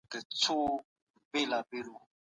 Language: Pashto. عرفاني خیالات یې ژوندی دي